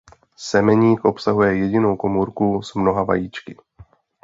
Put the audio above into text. Semeník obsahuje jedinou komůrku s mnoha vajíčky.